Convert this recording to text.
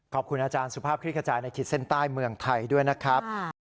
ขอลาไปตรงนี้ครับ